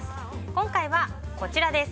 今回はこちらです。